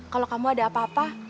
kalau kamu ada apa apa